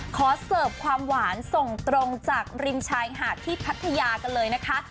เสิร์ฟความหวานส่งตรงจากริมชายหาดที่พัทยากันเลยนะคะ